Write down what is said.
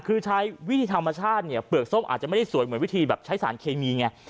คือใช้วิธีธรรมชาติเนี่ยเปลือกส้มอาจจะไม่ได้สวยเหมือนวิธีแบบใช้สารเคมีไง